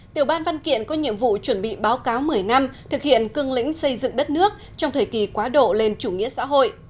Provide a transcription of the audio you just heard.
tiểu ban văn kiện có nhiệm vụ chuẩn bị báo cáo một mươi năm thực hiện cương lĩnh xây dựng đất nước trong thời kỳ quá độ lên chủ nghĩa xã hội